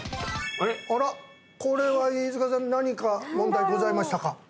あらこれは飯塚さん何か問題ございましたか？